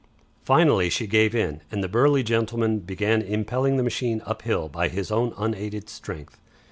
Finally she gave in, and the burly gentleman began impelling the machine up hill by his own unaided strength.